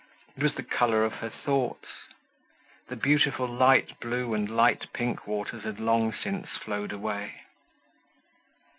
It was the color of her thoughts. The beautiful light blue and light pink waters had long since flowed away.